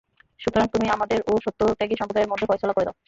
সুতরাং তুমি আমাদের ও সত্যত্যাগী সম্প্রদায়ের মধ্যে ফয়সালা করে দাও!